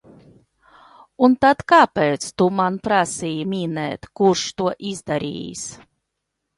Nu tad kāpēc tu man prasīji minēt, kurš to izdarījis?